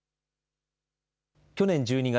去年１２月、